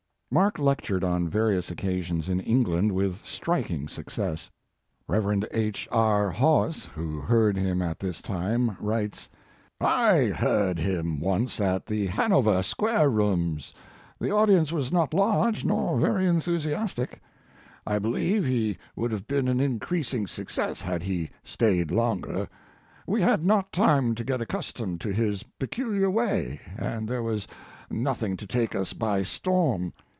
Mark lectured on various occasions in England with striking success. Rev. H. R. Haweis, who heard him at this time, writes: "I heard hin once at the Hanover Square rooms. The audience was not large nor very enthusiastic. I believe he His Life and Work. 117 would have been an increasing success had he stayed longer. We had not time to get accustomed to his peculiar way, and there was nothing to take us by storm.